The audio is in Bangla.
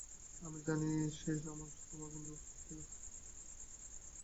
আমি জানি সে তোমার বন্ধু ছিল।